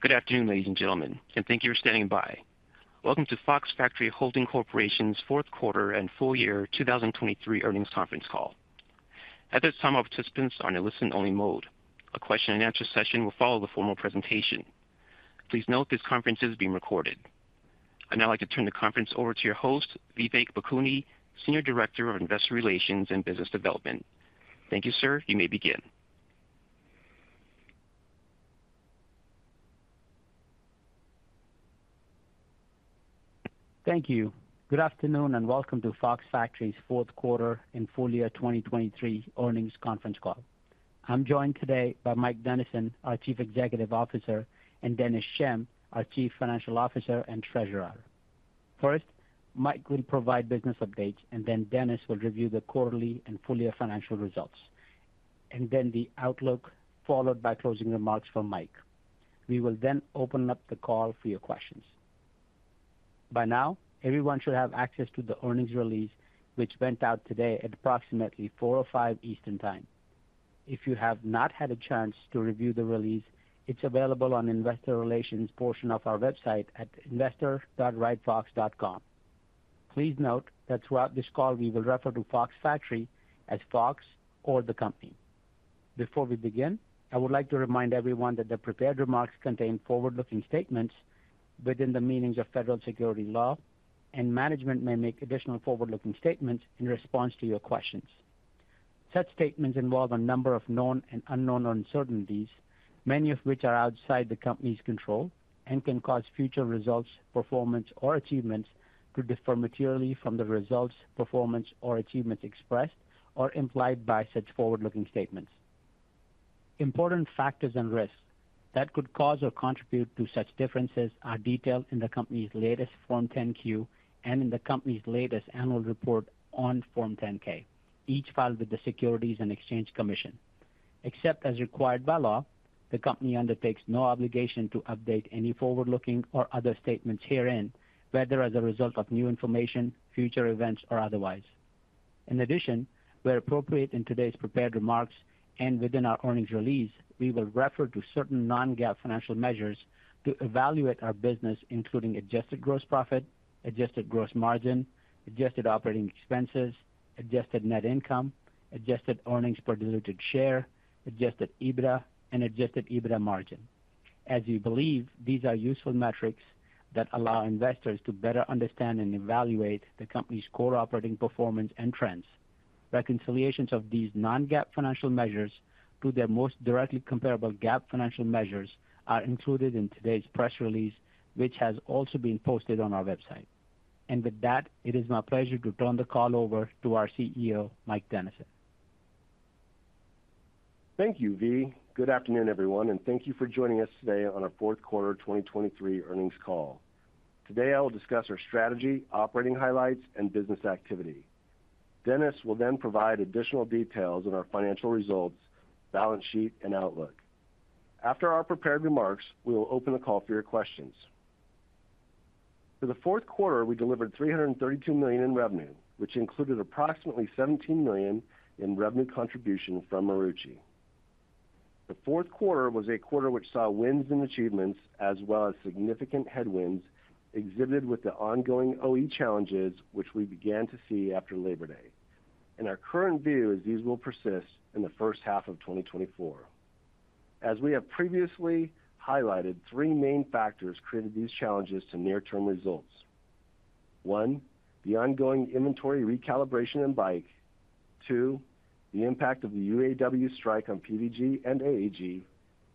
Good afternoon, ladies and gentlemen, and thank you for standing by. Welcome to Fox Factory Holding Corporation's Q4 and full year 2023 earnings conference call. At this time, our participants are in a listen-only mode. A question-and-answer session will follow the formal presentation. Please note this conference is being recorded. I'd now like to turn the conference over to your host, Vivek Bhakuni, Senior Director of Investor Relations and Business Development. Thank you, sir. You may begin. Thank you. Good afternoon and welcome to Fox Factory's Q4 and full year 2023 earnings conference call. I'm joined today by Mike Dennison, our Chief Executive Officer, and Dennis Schemm, our Chief Financial Officer and Treasurer. First, Mike will provide business updates, and then Dennis will review the quarterly and full year financial results, and then the outlook, followed by closing remarks from Mike. We will then open up the call for your questions. By now, everyone should have access to the earnings release, which went out today at approximately 4:05 P.M. Eastern Time. If you have not had a chance to review the release, it's available on the Investor Relations portion of our website at investor.foxfactory.com. Please note that throughout this call, we will refer to Fox Factory as Fox or the company. Before we begin, I would like to remind everyone that the prepared remarks contain forward-looking statements within the meanings of federal securities law, and management may make additional forward-looking statements in response to your questions. Such statements involve a number of known and unknown uncertainties, many of which are outside the company's control and can cause future results, performance, or achievements to differ materially from the results, performance, or achievements expressed or implied by such forward-looking statements. Important factors and risks that could cause or contribute to such differences are detailed in the company's latest Form 10-Q and in the company's latest annual report on Form 10-K, each filed with the Securities and Exchange Commission. Except as required by law, the company undertakes no obligation to update any forward-looking or other statements herein, whether as a result of new information, future events, or otherwise. In addition, where appropriate in today's prepared remarks and within our earnings release, we will refer to certain non-GAAP financial measures to evaluate our business, including adjusted gross profit, adjusted gross margin, adjusted operating expenses, adjusted net income, adjusted earnings per diluted share, adjusted EBITDA, and adjusted EBITDA margin. As we believe, these are useful metrics that allow investors to better understand and evaluate the company's core operating performance and trends. Reconciliations of these non-GAAP financial measures to their most directly comparable GAAP financial measures are included in today's press release, which has also been posted on our website. With that, it is my pleasure to turn the call over to our CEO, Mike Dennison. Thank you, Vivek. Good afternoon, everyone, and thank you for joining us today on our Q4 2023 earnings call. Today, I will discuss our strategy, operating highlights, and business activity. Dennis will then provide additional details on our financial results, balance sheet, and outlook. After our prepared remarks, we will open the call for your questions. For the Q4, we delivered $332 million in revenue, which included approximately $17 million in revenue contribution from Marucci. The Q4 was a quarter which saw wins and achievements as well as significant headwinds exhibited with the ongoing OE challenges, which we began to see after Labor Day. Our current view is these will persist in the first half of 2024. As we have previously highlighted, three main factors created these challenges to near-term results: one, the ongoing inventory recalibration in SSG; two, the impact of the UAW strike on PVG and AAG;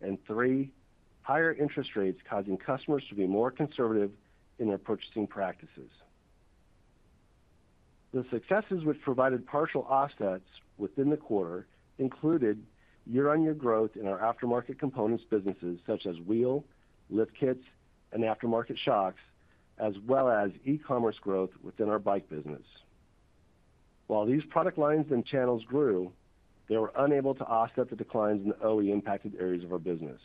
and three, higher interest rates causing customers to be more conservative in their purchasing practices. The successes which provided partial offsets within the quarter included year-on-year growth in our aftermarket components businesses, such as wheel, lift kits, and aftermarket shocks, as well as e-commerce growth within our bike business. While these product lines and channels grew, they were unable to offset the declines in the OE-impacted areas of our business.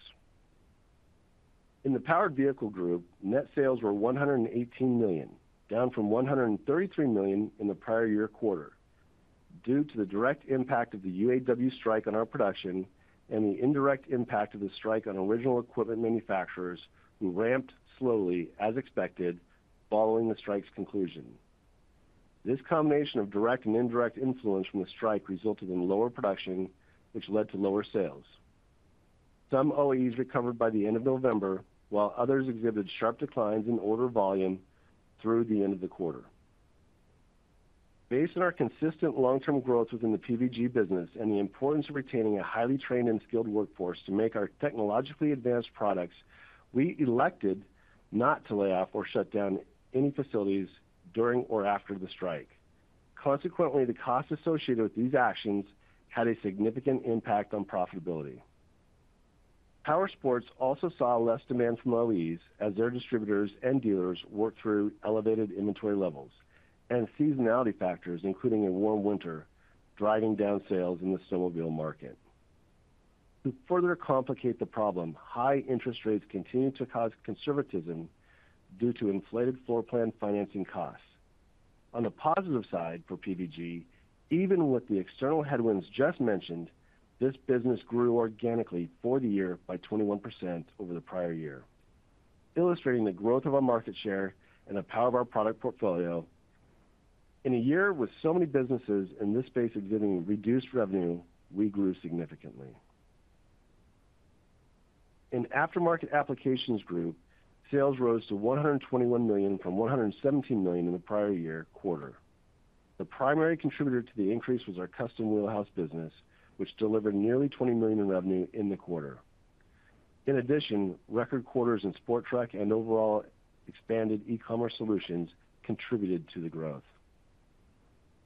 In the Powered Vehicles Group, net sales were $118 million, down from $133 million in the prior year quarter due to the direct impact of the UAW strike on our production and the indirect impact of the strike on original equipment manufacturers who ramped slowly, as expected, following the strike's conclusion. This combination of direct and indirect influence from the strike resulted in lower production, which led to lower sales. Some OEMs recovered by the end of November, while others exhibited sharp declines in order volume through the end of the quarter. Based on our consistent long-term growth within the PVG business and the importance of retaining a highly trained and skilled workforce to make our technologically advanced products, we elected not to lay off or shut down any facilities during or after the strike. Consequently, the costs associated with these actions had a significant impact on profitability. Powersports also saw less demand from OEs as their distributors and dealers worked through elevated inventory levels and seasonality factors, including a warm winter, driving down sales in the snowmobile market. To further complicate the problem, high interest rates continued to cause conservatism due to inflated floor plan financing costs. On the positive side for PVG, even with the external headwinds just mentioned, this business grew organically for the year by 21% over the prior year, illustrating the growth of our market share and the power of our product portfolio. In a year with so many businesses in this space exhibiting reduced revenue, we grew significantly. In aftermarket applications group, sales rose to $121 million from $117 million in the prior year quarter. The primary contributor to the increase was our Custom Wheel House business, which delivered nearly $20 million in revenue in the quarter. In addition, Q2 in sport truck and overall expanded e-commerce solutions contributed to the growth.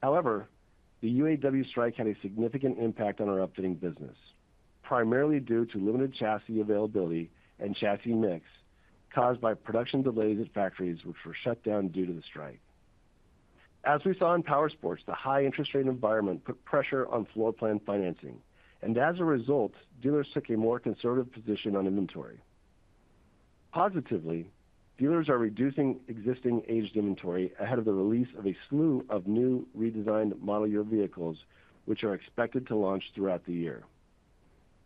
However, the UAW strike had a significant impact on our upfitting business, primarily due to limited chassis availability and chassis mix caused by production delays at factories, which were shut down due to the strike. As we saw in power sports, the high interest rate environment put pressure on floor plan financing, and as a result, dealers took a more conservative position on inventory. Positively, dealers are reducing existing aged inventory ahead of the release of a slew of new redesigned model year vehicles, which are expected to launch throughout the year.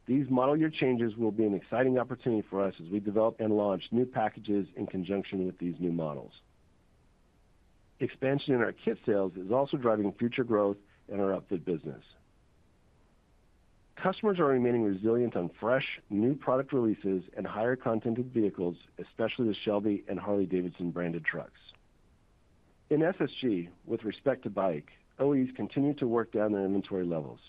These model year changes will be an exciting opportunity for us as we develop and launch new packages in conjunction with these new models. Expansion in our kit sales is also driving future growth in our upfitting business. Customers are remaining resilient on fresh, new product releases and higher-content vehicles, especially the Shelby and Harley-Davidson branded trucks. In SSG, with respect to bike, OEs continue to work down their inventory levels.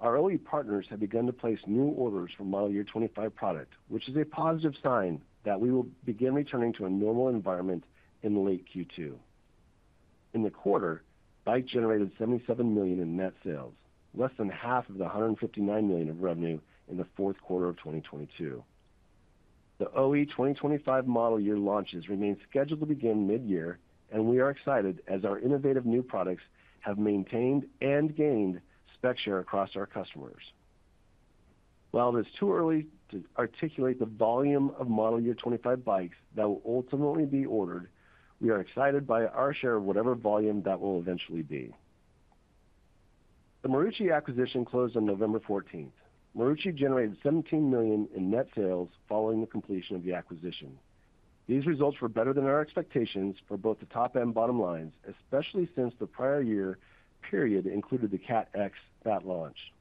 Our OE partners have begun to place new orders for Model Year 25 product, which is a positive sign that we will begin returning to a normal environment in the late Q2. In the quarter, bike generated $77 million in net sales, less than half of the $159 million of revenue in the fourth quarter of 2022. The OE 2025 Model Year launches remain scheduled to begin mid-year, and we are excited as our innovative new products have maintained and gained spec share across our customers. While it is too early to articulate the volume of Model Year 25 bikes that will ultimately be ordered, we are excited by our share of whatever volume that will eventually be. The Marucci acquisition closed on November 14th. Marucci generated $17 million in net sales following the completion of the acquisition. These results were better than our expectations for both the top and bottom lines, especially since the prior year period included the CATX bat launch.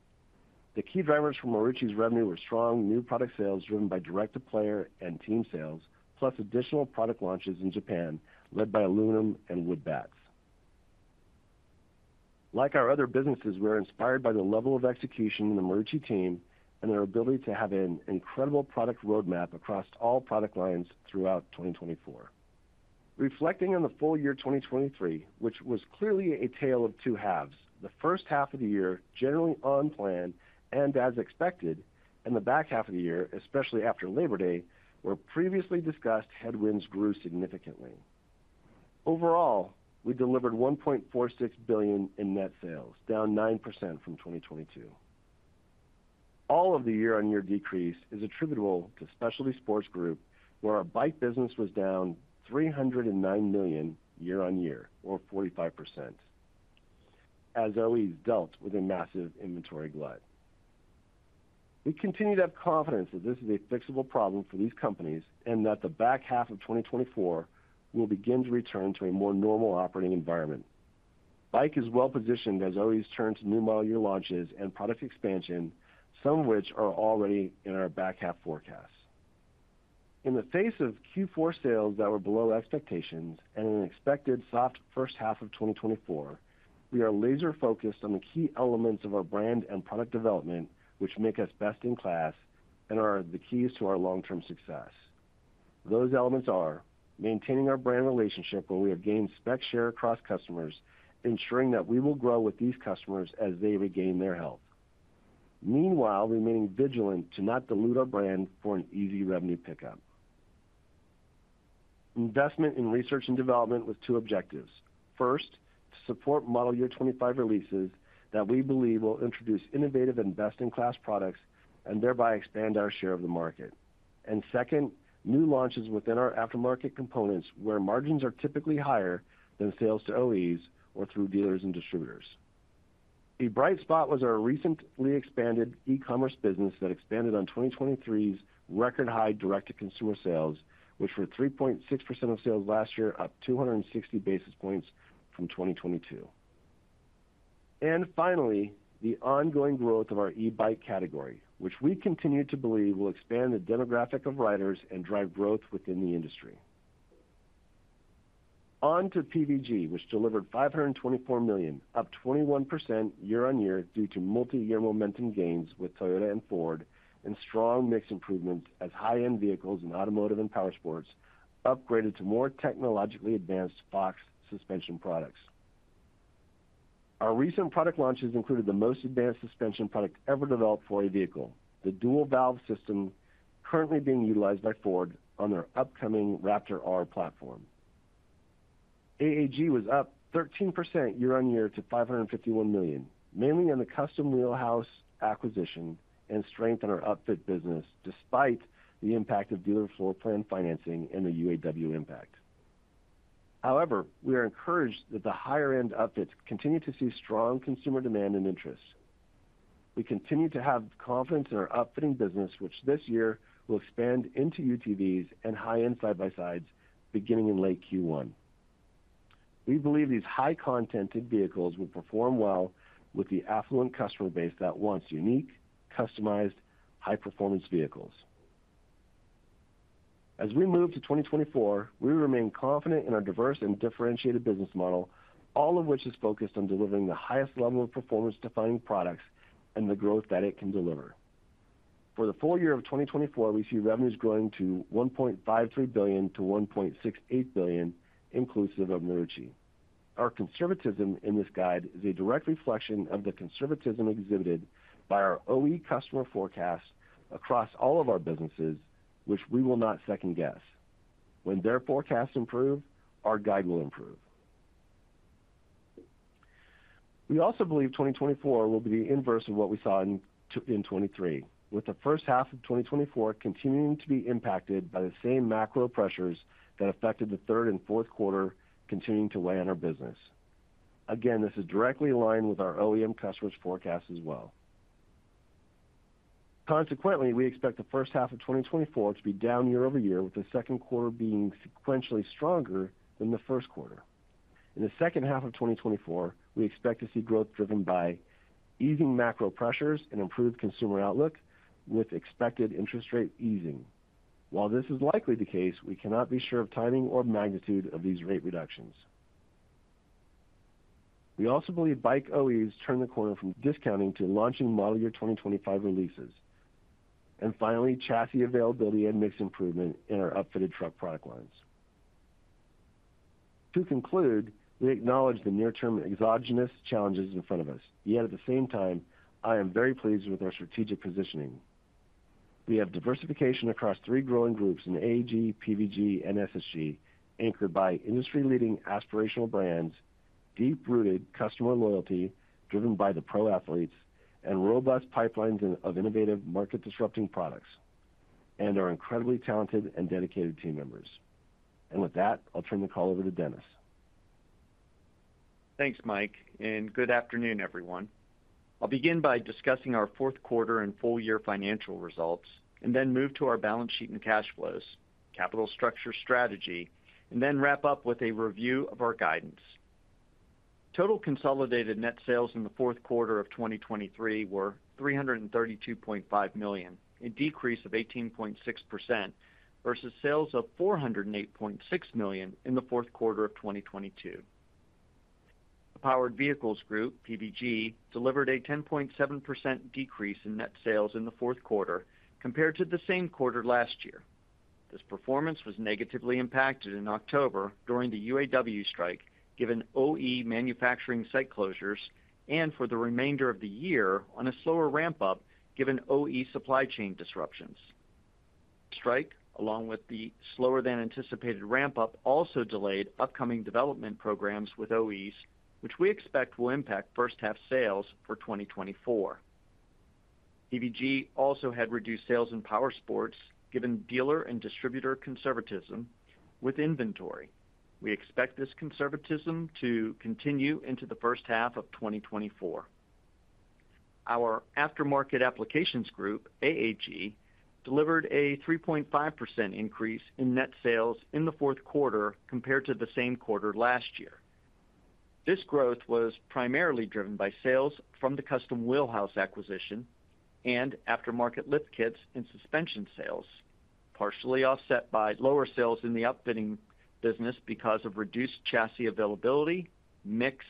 The key drivers for Marucci's revenue were strong new product sales driven by direct-to-player and team sales, plus additional product launches in Japan led by aluminum and wood bats. Like our other businesses, we are inspired by the level of execution in the Marucci team and their ability to have an incredible product roadmap across all product lines throughout 2024. Reflecting on the full year 2023, which was clearly a tale of two halves, the first half of the year generally on plan and as expected, and the back half of the year, especially after Labor Day, where previously discussed headwinds grew significantly. Overall, we delivered $1.46 billion in net sales, down 9% from 2022. All of the year-on-year decrease is attributable to Specialty Sports Group, where our bike business was down $309 million year-on-year, or 45%, as OEs dealt with a massive inventory glut. We continue to have confidence that this is a fixable problem for these companies and that the back half of 2024 will begin to return to a more normal operating environment. Bike is well positioned as OEs turn to new model year launches and product expansion, some of which are already in our back half forecast. In the face of Q4 sales that were below expectations and an expected soft first half of 2024, we are laser-focused on the key elements of our brand and product development, which make us best in class and are the keys to our long-term success. Those elements are maintaining our brand relationship where we have gained spec share across customers, ensuring that we will grow with these customers as they regain their health, meanwhile remaining vigilant to not dilute our brand for an easy revenue pickup, investment in research and development with two objectives. First, to support Model Year 25 releases that we believe will introduce innovative and best-in-class products and thereby expand our share of the market. And second, new launches within our aftermarket components where margins are typically higher than sales to OEs or through dealers and distributors. A bright spot was our recently expanded e-commerce business that expanded on 2023's record high direct-to-consumer sales, which were 3.6% of sales last year, up 260 basis points from 2022. And finally, the ongoing growth of our e-bike category, which we continue to believe will expand the demographic of riders and drive growth within the industry. On to PVG, which delivered $524 million, up 21% year-on-year due to multi-year momentum gains with Toyota and Ford and strong mix improvements as high-end vehicles in automotive and power sports upgraded to more technologically advanced Fox suspension products. Our recent product launches included the most advanced suspension product ever developed for a vehicle, the dual-valve system currently being utilized by Ford on their upcoming Raptor R platform. AAG was up 13% year-on-year to $551 million, mainly on the Custom Wheel House acquisition and strength in our upfit business despite the impact of dealer floor plan financing and the UAW impact. However, we are encouraged that the higher-end upfits continue to see strong consumer demand and interest. We continue to have confidence in our upfitting business, which this year will expand into UTVs and high-end side-by-sides beginning in late Q1. We believe these high-contented vehicles will perform well with the affluent customer base that wants unique, customized, high-performance vehicles. As we move to 2024, we remain confident in our diverse and differentiated business model, all of which is focused on delivering the highest level of performance-defining products and the growth that it can deliver. For the full year of 2024, we see revenues growing to $1.53 billion-$1.68 billion inclusive of Marucci. Our conservatism in this guide is a direct reflection of the conservatism exhibited by our OEM customer forecasts across all of our businesses, which we will not second-guess. When their forecasts improve, our guide will improve. We also believe 2024 will be the inverse of what we saw in 2023, with the first half of 2024 continuing to be impacted by the same macro pressures that affected the third and Q4, continuing to weigh on our business. Again, this is directly aligned with our OEM customers' forecasts as well. Consequently, we expect the first half of 2024 to be down year-over-year, with the Q2 being sequentially stronger than the Q1. In the second half of 2024, we expect to see growth driven by easing macro pressures and improved consumer outlook with expected interest rate easing. While this is likely the case, we cannot be sure of timing or magnitude of these rate reductions. We also believe bike OEs turn the corner from discounting to launching Model Year 2025 releases. And finally, chassis availability and mix improvement in our upfitted truck product lines. To conclude, we acknowledge the near-term exogenous challenges in front of us. Yet at the same time, I am very pleased with our strategic positioning. We have diversification across three growing groups in AAG, PVG, and SSG, anchored by industry-leading aspirational brands, deep-rooted customer loyalty driven by the pro athletes, and robust pipelines of innovative market-disrupting products, and our incredibly talented and dedicated team members. And with that, I'll turn the call over to Dennis. Thanks, Mike, and good afternoon, everyone. I'll begin by discussing our Q4 and full year financial results and then move to our balance sheet and cash flows, capital structure strategy, and then wrap up with a review of our guidance. Total consolidated net sales in the Q4 of 2023 were $332.5 million, a decrease of 18.6% versus sales of $408.6 million in the Q4 of 2022. The powered vehicles group, PVG, delivered a 10.7% decrease in net sales in the Q1 compared to the same quarter last year. This performance was negatively impacted in October during the UAW strike given OE manufacturing site closures and for the remainder of the year on a slower ramp-up given OE supply chain disruptions. Strike, along with the slower-than-anticipated ramp-up, also delayed upcoming development programs with OEs, which we expect will impact first-half sales for 2024. PVG also had reduced sales in power sports given dealer and distributor conservatism with inventory. We expect this conservatism to continue into the first half of 2024. Our Aftermarket Applications Group, AAG, delivered a 3.5% increase in net sales in the Q4 compared to the same quarter last year. This growth was primarily driven by sales from the Custom Wheel House acquisition and aftermarket lift kits and suspension sales, partially offset by lower sales in the upfitting business because of reduced chassis availability, mix,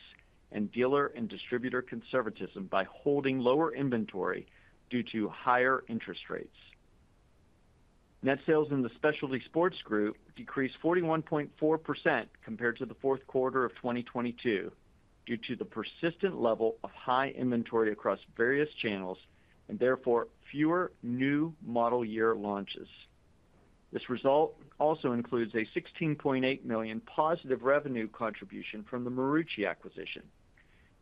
and dealer and distributor conservatism by holding lower inventory due to higher interest rates. Net sales in the Specialty Sports Group decreased 41.4% compared to the Q4 of 2022 due to the persistent level of high inventory across various channels and therefore fewer new model year launches. This result also includes a $16.8 million positive revenue contribution from the Marucci acquisition.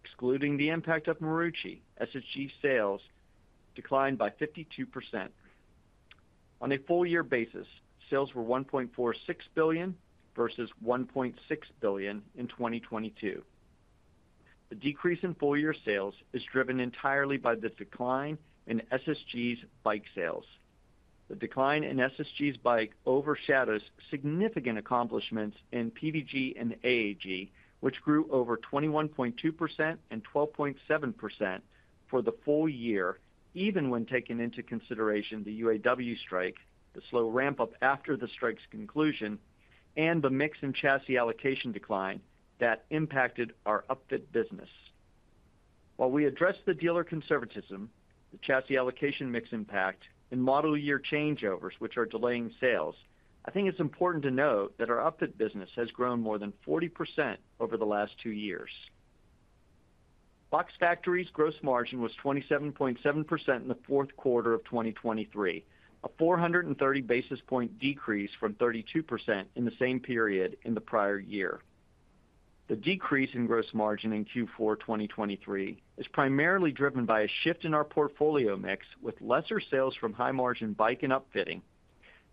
Excluding the impact of Marucci, SSG sales declined by 52%. On a full year basis, sales were $1.46 billion versus $1.6 billion in 2022. The decrease in full year sales is driven entirely by the decline in SSG's bike sales. The decline in SSG's bike overshadows significant accomplishments in PVG and AAG, which grew over 21.2% and 12.7% for the full year, even when taken into consideration the UAW strike, the slow ramp-up after the strike's conclusion, and the mix and chassis allocation decline that impacted our upfit business. While we address the dealer conservatism, the chassis allocation mix impact, and model year changeovers, which are delaying sales, I think it's important to note that our upfit business has grown more than 40% over the last two years. Fox Factory's gross margin was 27.7% in the Q4 of 2023, a 430 basis point decrease from 32% in the same period in the prior year. The decrease in gross margin in Q4 2023 is primarily driven by a shift in our portfolio mix with lesser sales from high-margin bike and upfitting,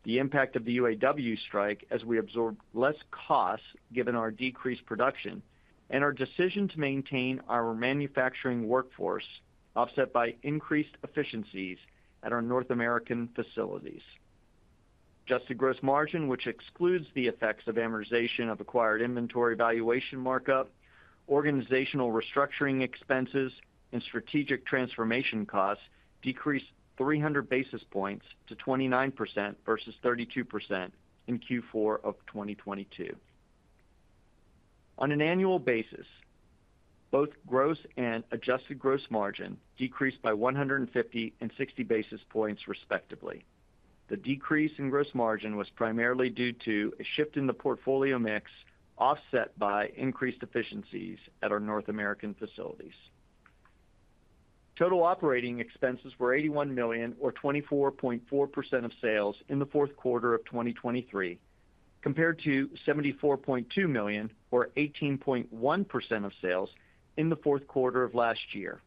the impact of the UAW strike as we absorbed less costs given our decreased production, and our decision to maintain our manufacturing workforce offset by increased efficiencies at our North American facilities. Adjusted gross margin, which excludes the effects of amortization of acquired inventory valuation markup, organizational restructuring expenses, and strategic transformation costs, decreased 300 basis points to 29% versus 32% in Q4 of 2022. On an annual basis, both gross and adjusted gross margin decreased by 150 and 60 basis points, respectively. The decrease in gross margin was primarily due to a shift in the portfolio mix offset by increased efficiencies at our North American facilities. Total operating expenses were $81 million, or 24.4% of sales, in the Q4 of 2023 compared to $74.2 million, or 18.1% of sales, in the Q4 of last year.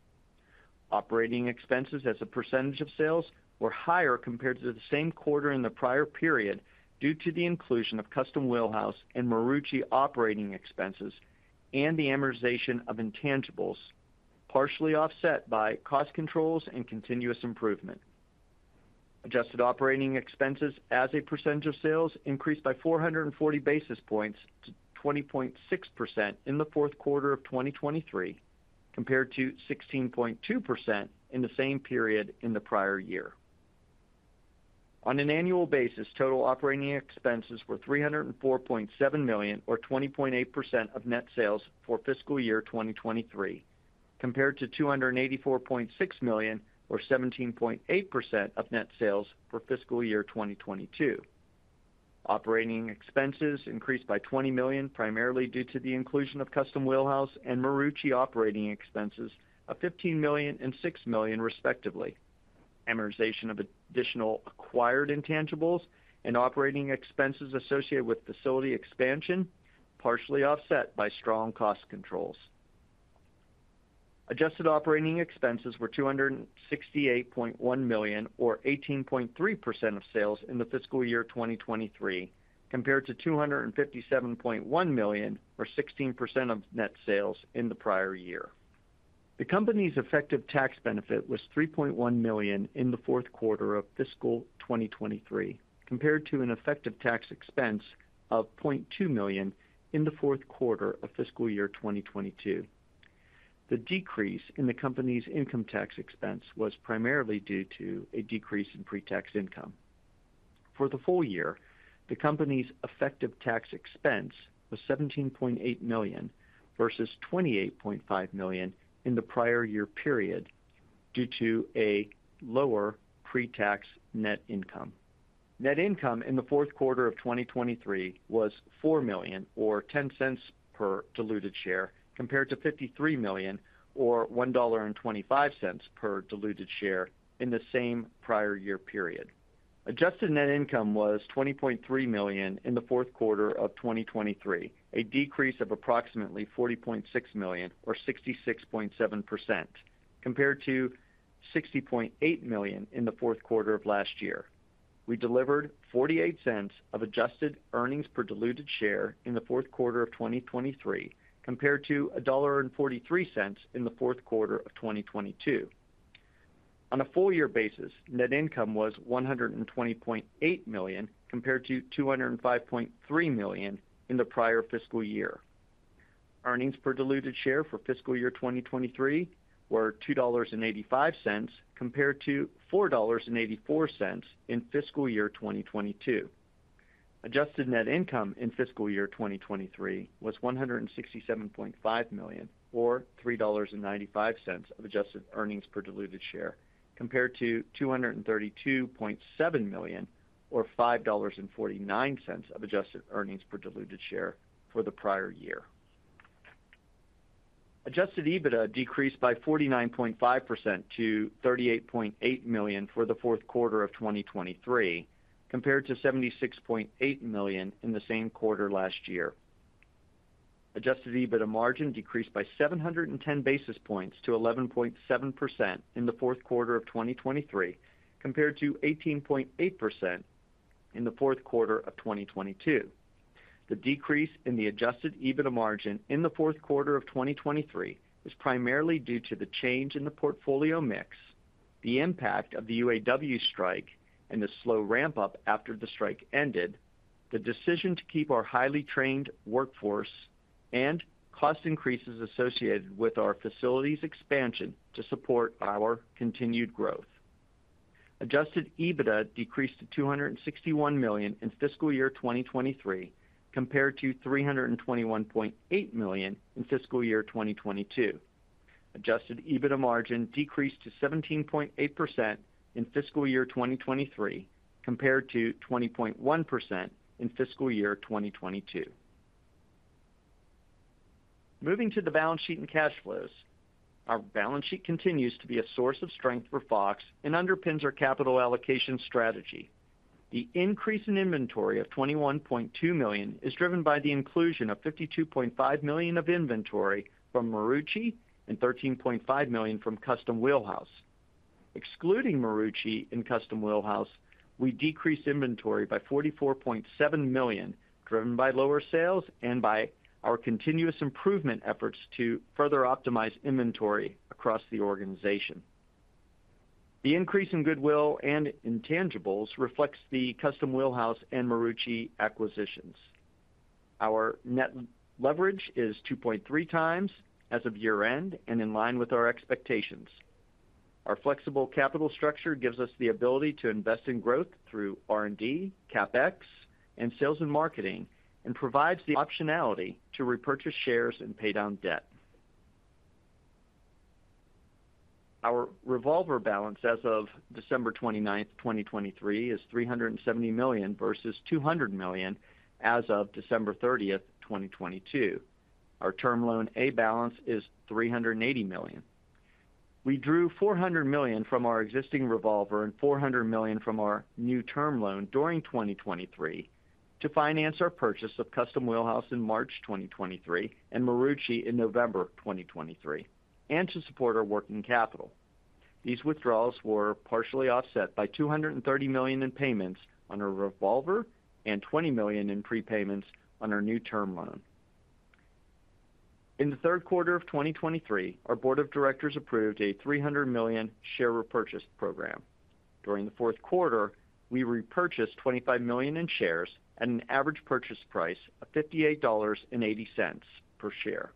Operating expenses as a percentage of sales were higher compared to the same quarter in the prior period due to the inclusion of Custom Wheel House and Marucci operating expenses and the amortization of intangibles, partially offset by cost controls and continuous improvement. Adjusted operating expenses as a percentage of sales increased by 440 basis points to 20.6% in the Q4 of 2023 compared to 16.2% in the same period in the prior year. On an annual basis, total operating expenses were $304.7 million, or 20.8% of net sales for fiscal year 2023 compared to $284.6 million, or 17.8% of net sales for fiscal year 2022. Operating expenses increased by $20 million, primarily due to the inclusion of Custom Wheel House and Marucci operating expenses, of $15 million and $6 million, respectively. Amortization of additional acquired intangibles and operating expenses associated with facility expansion partially offset by strong cost controls. Adjusted operating expenses were $268.1 million, or 18.3% of sales in the fiscal year 2023 compared to $257.1 million, or 16% of net sales in the prior year. The company's effective tax benefit was $3.1 million in the Q4 of fiscal 2023 compared to an effective tax expense of $0.2 million in the Q4 of fiscal year 2022. The decrease in the company's income tax expense was primarily due to a decrease in pretax income. For the full year, the company's effective tax expense was $17.8 million versus $28.5 million in the prior year period due to a lower pretax net income. Net income in the Q4 of 2023 was $4 million, or $0.10 per diluted share, compared to $53 million, or $1.25 per diluted share in the same prior year period. Adjusted net income was $20.3 million in the Q4 of 2023, a decrease of approximately $40.6 million, or 66.7%, compared to $60.8 million in the Q4 of last year. We delivered $0.48 of adjusted earnings per diluted share in the Q4 of 2023 compared to $1.43 in the Q4 of 2022. On a full year basis, net income was $120.8 million compared to $205.3 million in the prior fiscal year. Earnings per diluted share for fiscal year 2023 were $2.85 compared to $4.84 in fiscal year 2022. Adjusted net income in fiscal year 2023 was $167.5 million, or $3.95 of adjusted earnings per diluted share compared to $232.7 million, or $5.49 of adjusted earnings per diluted share for the prior year. Adjusted EBITDA decreased by 49.5% to $38.8 million for the Q4 of 2023 compared to $76.8 million in the same quarter last year. Adjusted EBITDA margin decreased by 710 basis points to 11.7% in the Q4 of 2023 compared to 18.8% in the Q4 of 2022. The decrease in the Adjusted EBITDA margin in the Q4 of 2023 is primarily due to the change in the portfolio mix, the impact of the UAW strike and the slow ramp-up after the strike ended, the decision to keep our highly trained workforce, and cost increases associated with our facilities expansion to support our continued growth. Adjusted EBITDA decreased to $261 million in fiscal year 2023 compared to $321.8 million in fiscal year 2022. Adjusted EBITDA margin decreased to 17.8% in fiscal year 2023 compared to 20.1% in fiscal year 2022. Moving to the balance sheet and cash flows, our balance sheet continues to be a source of strength for Fox and underpins our capital allocation strategy. The increase in inventory of $21.2 million is driven by the inclusion of $52.5 million of inventory from Marucci and $13.5 million from Custom Wheel House. Excluding Marucci and Custom Wheel House, we decreased inventory by $44.7 million, driven by lower sales and by our continuous improvement efforts to further optimize inventory across the organization. The increase in goodwill and intangibles reflects the Custom Wheel House and Marucci acquisitions. Our net leverage is 2.3 times as of year-end and in line with our expectations. Our flexible capital structure gives us the ability to invest in growth through R&D, CapEx, and sales and marketing, and provides the optionality to repurchase shares and pay down debt. Our revolver balance as of December 29th, 2023, is $370 million versus $200 million as of December 30th, 2022. Our term loan A balance is $380 million. We drew $400 million from our existing revolver and $400 million from our new term loan during 2023 to finance our purchase of Custom Wheel House in March 2023 and Marucci in November 2023, and to support our working capital. These withdrawals were partially offset by $230 million in payments on our revolver and $20 million in prepayments on our new term loan. In the Q3 of 2023, our board of directors approved a $300 million share repurchase program. During the Q4, we repurchased $25 million in shares at an average purchase price of $58.80 per share.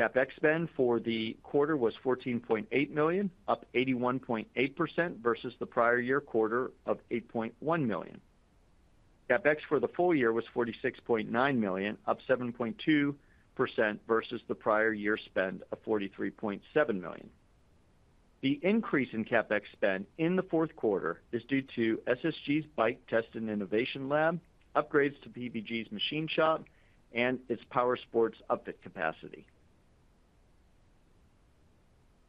CapEx spend for the quarter was $14.8 million, up 81.8% versus the prior year quarter of $8.1 million. CapEx for the full year was $46.9 million, up 7.2% versus the prior year spend of $43.7 million. The increase in CapEx spend in the Q4 is due to SSG's bike test and innovation lab, upgrades to PVG's machine shop, and its power sports upfit capacity.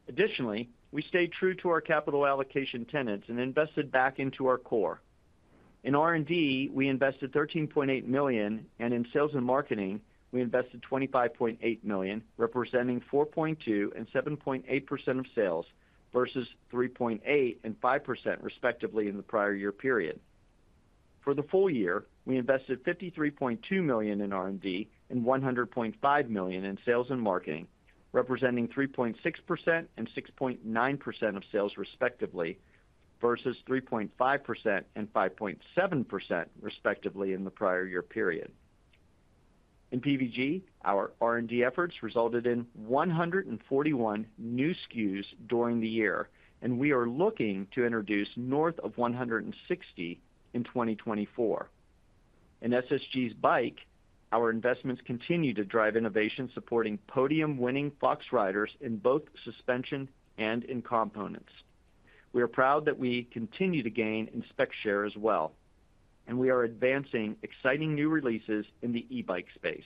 Additionally, we stayed true to our capital allocation tenets and invested back into our core. In R&D, we invested $13.8 million, and in sales and marketing, we invested $25.8 million, representing 4.2% and 7.8% of sales versus 3.8% and 5%, respectively, in the prior year period. For the full year, we invested $53.2 million in R&D and $100.5 million in sales and marketing, representing 3.6% and 6.9% of sales, respectively, versus 3.5% and 5.7%, respectively, in the prior year period. In PVG, our R&D efforts resulted in 141 new SKUs during the year, and we are looking to introduce north of 160 in 2024. In SSG's bike, our investments continue to drive innovation supporting podium-winning Fox Riders in both suspension and in components. We are proud that we continue to gain spec share as well, and we are advancing exciting new releases in the e-bike space.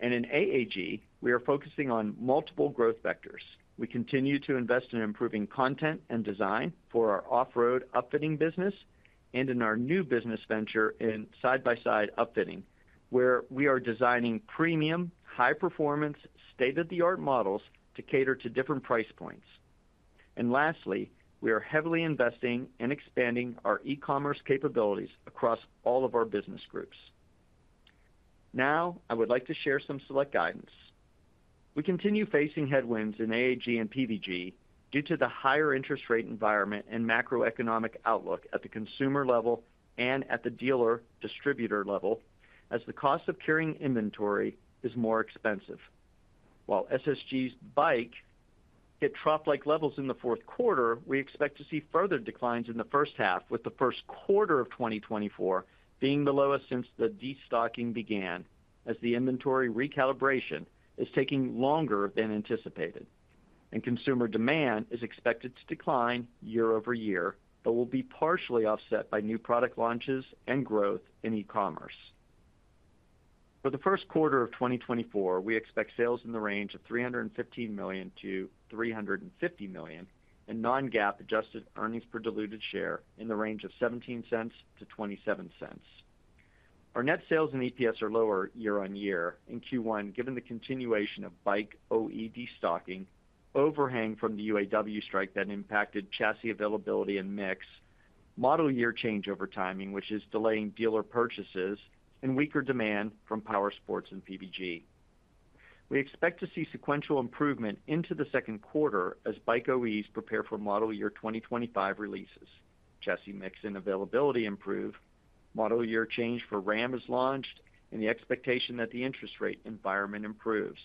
And in AAG, we are focusing on multiple growth vectors. We continue to invest in improving content and design for our off-road upfitting business and in our new business venture in side-by-side upfitting, where we are designing premium, high-performance, state-of-the-art models to cater to different price points. And lastly, we are heavily investing and expanding our e-commerce capabilities across all of our business groups. Now, I would like to share some select guidance. We continue facing headwinds in AAG and PVG due to the higher interest rate environment and macroeconomic outlook at the consumer level and at the dealer/distributor level, as the cost of carrying inventory is more expensive. While SSG's bike hit trough-like levels in the Q4, we expect to see further declines in the first half, with the Q1 of 2024 being the lowest since the destocking began, as the inventory recalibration is taking longer than anticipated, and consumer demand is expected to decline year-over-year but will be partially offset by new product launches and growth in e-commerce. For the Q1 of 2024, we expect sales in the range of $315 million-$350 million and non-GAAP adjusted earnings per diluted share in the range of $0.17-$0.27. Our net sales and EPS are lower year-over-year in Q1 given the continuation of bike OE destocking, overhang from the UAW strike that impacted chassis availability and mix, model year changeover timing, which is delaying dealer purchases, and weaker demand from power sports and PVG. We expect to see sequential improvement into the Q2 as bike OEs prepare for model year 2025 releases, chassis mix and availability improve, model year change for Ram is launched, and the expectation that the interest rate environment improves.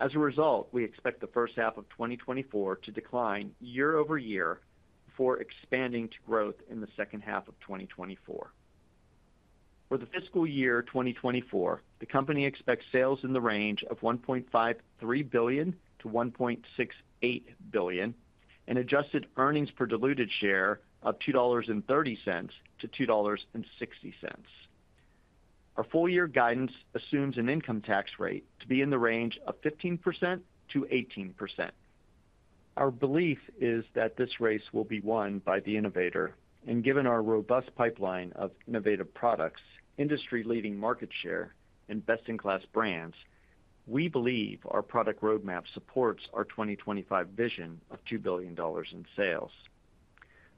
As a result, we expect the first half of 2024 to decline year-over-year before expanding to growth in the second half of 2024. For the fiscal year 2024, the company expects sales in the range of $1.53 billion-$1.68 billion and adjusted earnings per diluted share of $2.30-$2.60. Our full year guidance assumes an income tax rate to be in the range of 15%-18%. Our belief is that this race will be won by the innovator, and given our robust pipeline of innovative products, industry-leading market share, and best-in-class brands, we believe our product roadmap supports our 2025 vision of $2 billion in sales.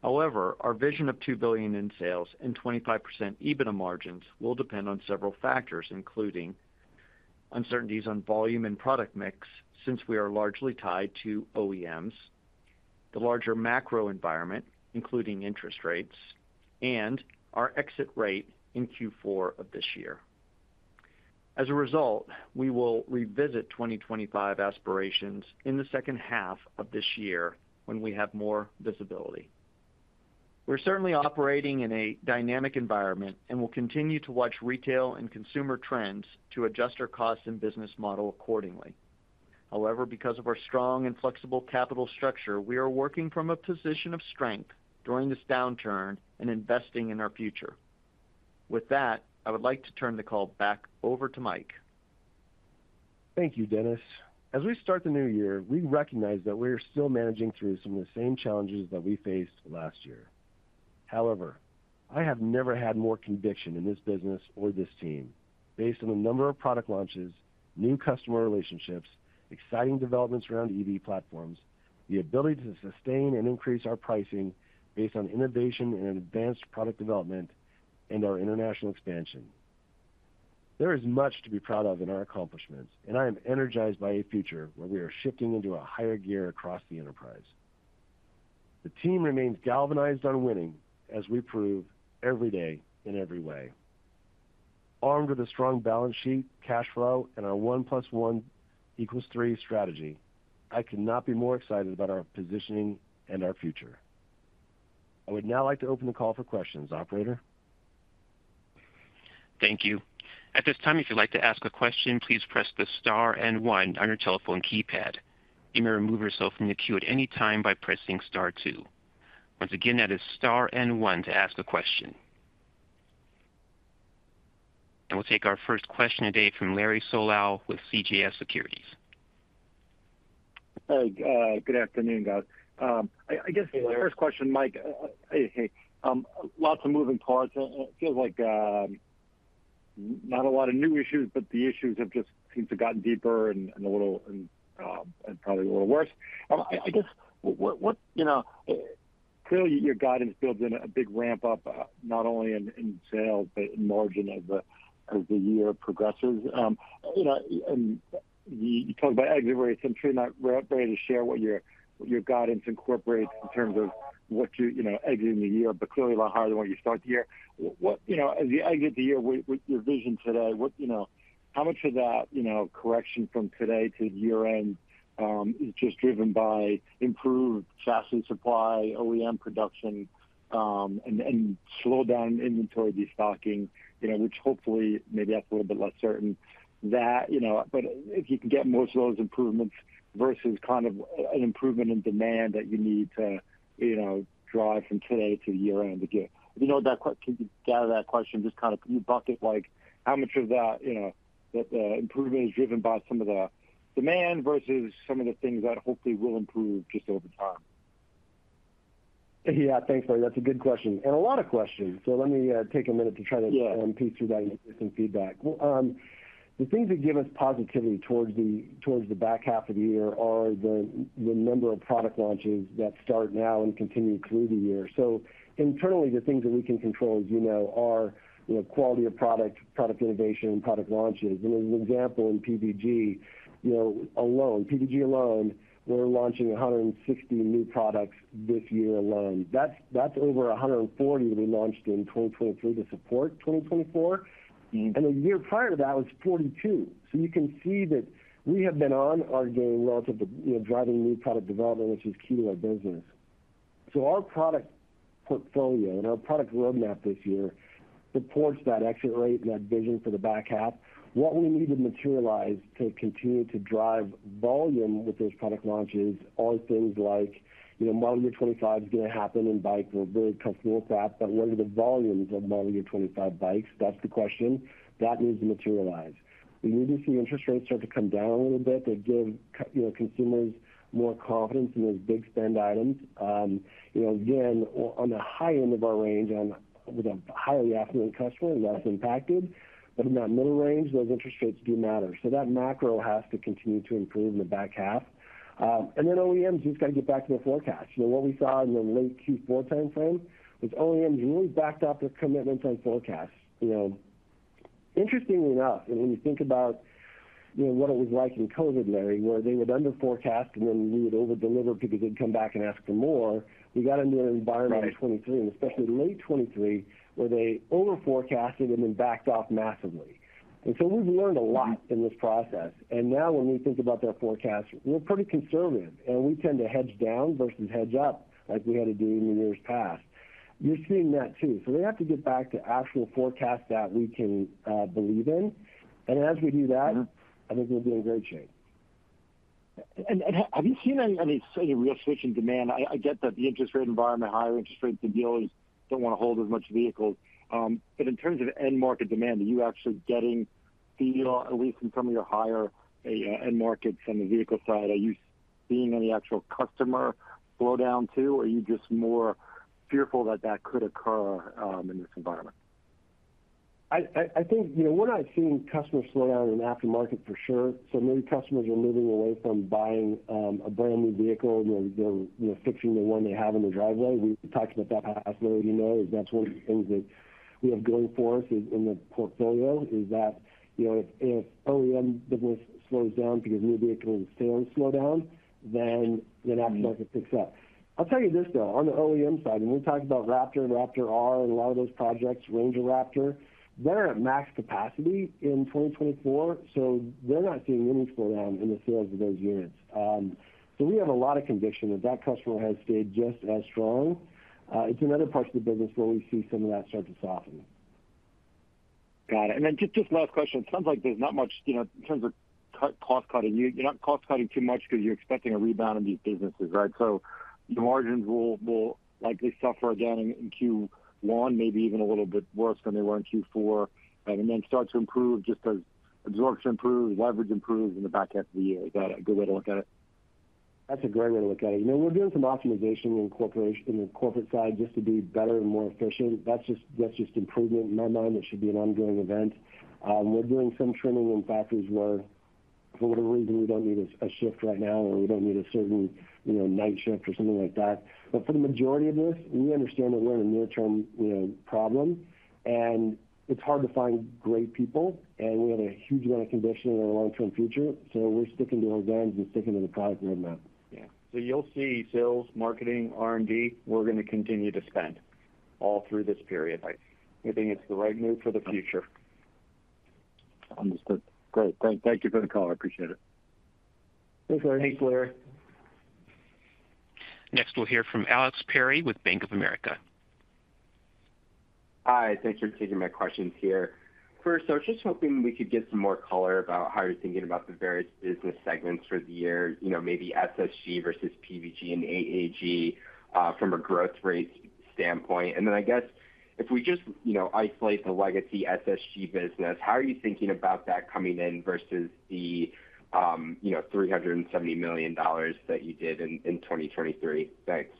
However, our vision of $2 billion in sales and 25% EBITDA margins will depend on several factors, including uncertainties on volume and product mix since we are largely tied to OEMs, the larger macro environment, including interest rates, and our exit rate in Q4 of this year. As a result, we will revisit 2025 aspirations in the second half of this year when we have more visibility. We're certainly operating in a dynamic environment and will continue to watch retail and consumer trends to adjust our cost and business model accordingly. However, because of our strong and flexible capital structure, we are working from a position of strength during this downturn and investing in our future. With that, I would like to turn the call back over to Mike. Thank you, Dennis. As we start the new year, we recognize that we are still managing through some of the same challenges that we faced last year. However, I have never had more conviction in this business or this team based on the number of product launches, new customer relationships, exciting developments around EV platforms, the ability to sustain and increase our pricing based on innovation and advanced product development, and our international expansion. There is much to be proud of in our accomplishments, and I am energized by a future where we are shifting into a higher gear across the enterprise. The team remains galvanized on winning, as we prove every day in every way. Armed with a strong balance sheet, cash flow, and our one plus one equals three strategy, I could not be more excited about our positioning and our future. I would now like to open the call for questions, operator. Thank you. At this time, if you'd like to ask a question, please press the star and one on your telephone keypad. You may remove yourself from the queue at any time by pressing star two. Once again, that is star and one to ask a question. We'll take our first question today from Larry Solow with CJS Securities. Hey, good afternoon, guys. I guess my first question, Mike. Hey, lots of moving parts. It feels like not a lot of new issues, but the issues have just seemed to have gotten deeper and probably a little worse. I guess what clearly your guidance builds in a big ramp-up, not only in sales but in margin as the year progresses. And you talked about exit rates, and I'm sure you're not ready to share what your guidance incorporates in terms of what you exit in the year, but clearly a lot higher than what you start the year. As you exit the year, with your vision today, how much of that correction from today to year-end is just driven by improved chassis supply, OEM production, and slowed-down inventory destocking, which hopefully maybe that's a little bit less certain? But if you can get most of those improvements versus kind of an improvement in demand that you need to drive from today to year-end again? If you know that question, can you gather that question just kind of can you bucket how much of that improvement is driven by some of the demand versus some of the things that hopefully will improve just over time? Yeah, thanks, Larry. That's a good question and a lot of questions. So let me take a minute to try to piece through that and get some feedback. The things that give us positivity towards the back half of the year are the number of product launches that start now and continue through the year. So internally, the things that we can control, as you know, are quality of product, product innovation, and product launches. And as an example, in PVG alone, we're launching 160 new products this year alone. That's over 140 that we launched in 2023 to support 2024. And the year prior to that was 42. So you can see that we have been on our game relative to driving new product development, which is key to our business. So our product portfolio and our product roadmap this year supports that exit rate and that vision for the back half. What we need to materialize to continue to drive volume with those product launches are things like Model Year 25 is going to happen in Bike. We're very comfortable with that. But what are the volumes of Model Year 25 bikes? That's the question. That needs to materialize. We need to see interest rates start to come down a little bit to give consumers more confidence in those big spend items. Again, on the high end of our range, with a highly affluent customer, less impacted. But in that middle range, those interest rates do matter. So that macro has to continue to improve in the back half. And then OEMs just got to get back to their forecasts. What we saw in the late Q4 time frame was OEMs really backed up their commitments on forecasts. Interestingly enough, when you think about what it was like in COVID, Larry, where they would under-forecast and then we would over-deliver because they'd come back and ask for more, we got into an environment in 2023, and especially late 2023, where they over-forecasted and then backed off massively. And so we've learned a lot in this process. And now when we think about their forecasts, we're pretty conservative, and we tend to hedge down versus hedge up like we had to do in the years past. You're seeing that too. So they have to get back to actual forecasts that we can believe in. And as we do that, I think we'll be in great shape. Have you seen any real switch in demand? I get that the interest rate environment, higher interest rates, and dealers don't want to hold as much vehicles. But in terms of end-market demand, are you actually getting feel, at least in some of your higher end-markets on the vehicle side, are you seeing any actual customer slowdown too, or are you just more fearful that that could occur in this environment? I think we're not seeing customer slowdown in aftermarket for sure. So maybe customers are moving away from buying a brand new vehicle. They're fixing the one they have in the driveway. We talked about that past, Larry. You know that's one of the things that we have going for us in the portfolio, is that if OEM business slows down because new vehicle sales slow down, then aftermarket picks up. I'll tell you this, though. On the OEM side, and we're talking about Raptor, Raptor R, and a lot of those projects, Ranger Raptor, they're at max capacity in 2024, so they're not seeing any slowdown in the sales of those units. So we have a lot of conviction that that customer has stayed just as strong. It's in other parts of the business where we see some of that start to soften. Got it. And then just last question. It sounds like there's not much in terms of cost-cutting. You're not cost-cutting too much because you're expecting a rebound in these businesses, right? So your margins will likely suffer again in Q1, maybe even a little bit worse than they were in Q4, and then start to improve just as absorption improves, leverage improves in the back half of the year. Is that a good way to look at it? That's a great way to look at it. We're doing some optimization in the corporate side just to be better and more efficient. That's just improvement in my mind. That should be an ongoing event. We're doing some trimming in factories where, for whatever reason, we don't need a shift right now or we don't need a certain night shift or something like that. But for the majority of this, we understand that we're in a near-term problem, and it's hard to find great people, and we have a huge amount of conditioning in the long-term future. So we're sticking to our guns and sticking to the product roadmap. Yeah. So you'll see sales, marketing, R&D, we're going to continue to spend all through this period. We think it's the right move for the future. Understood. Great. Thank you for the call. I appreciate it. No problem. Thanks, Larry. Next, we'll hear from Alex Perry with Bank of America. Hi. Thanks for taking my questions here. First, I was just hoping we could get some more color about how you're thinking about the various business segments for the year, maybe SSG versus PVG and AAG from a growth rate standpoint. And then I guess if we just isolate the legacy SSG business, how are you thinking about that coming in versus the $370 million that you did in 2023? Thanks.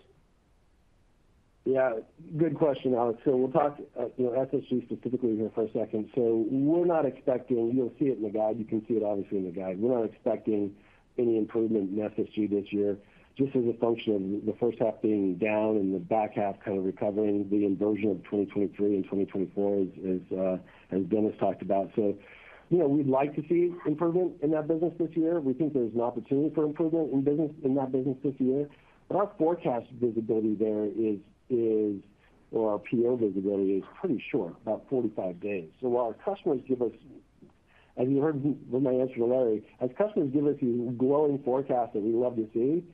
Yeah. Good question, Alex. So we'll talk SSG specifically here for a second. So we're not expecting you'll see it in the guide. You can see it, obviously, in the guide. We're not expecting any improvement in SSG this year just as a function of the first half being down and the back half kind of recovering. The inversion of 2023 and 2024, as Dennis talked about. So we'd like to see improvement in that business this year. We think there's an opportunity for improvement in that business this year. But our forecast visibility there is or our PO visibility is pretty short, about 45 days. So while our customers give us as you heard my answer to Larry, as customers give us these glowing forecasts that we love to see,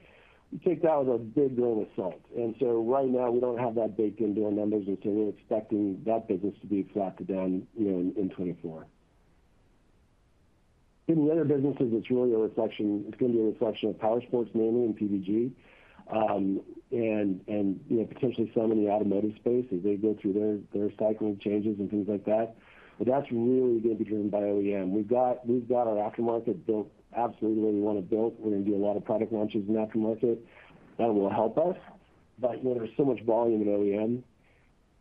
we take that with a big grain of salt. Right now, we don't have that baked into our numbers, and so we're expecting that business to be flattened down in 2024. In the other businesses, it's really a reflection. It's going to be a reflection of powersports, mainly, and PVG, and potentially some in the automotive space as they go through their cycling changes and things like that. But that's really going to be driven by OEM. We've got our aftermarket built absolutely the way we want it built. We're going to do a lot of product launches in aftermarket. That will help us. But there's so much volume in OEM,